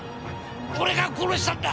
俺が殺したんだ！